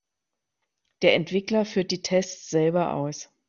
Der Entwickler führt die Tests selber aus.